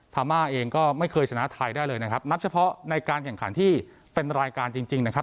มาเองก็ไม่เคยชนะไทยได้เลยนะครับนับเฉพาะในการแข่งขันที่เป็นรายการจริงจริงนะครับ